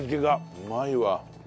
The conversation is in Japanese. うまいわ。